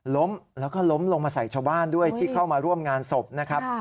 ล้มแล้วก็ล้มลงมาใส่ชาวบ้านด้วยที่เข้ามาร่วมงานศพนะครับ